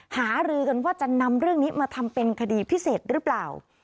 หารือกันว่าจะนำเรื่องนี้มาทำเป็นคดีพิเศษหรือเปล่า